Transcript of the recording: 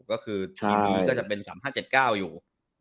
ทีนี้ก็จะเป็น๓๕๗๙อยู่